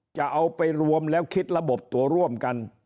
จะเอาไปรวมแล้วคิดระบบตัวร่วมกัน